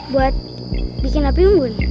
buat bikin api umbun